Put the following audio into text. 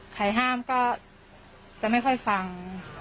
ใครห้ามก็จะไม่ค่อยฟัง